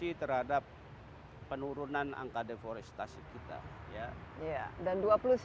bagaimana melakukan reduce impact logging melakukan teknik silviculture intensive dan juga menerapkan silviculture